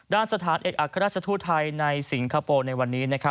สถานเอกอัครราชทูตไทยในสิงคโปร์ในวันนี้